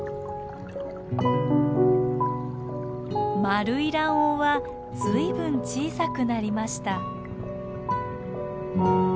丸い卵黄はずいぶん小さくなりました。